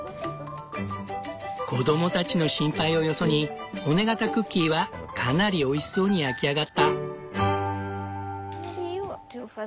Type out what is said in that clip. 子供たちの心配をよそに骨型クッキーはかなりおいしそうに焼き上がった。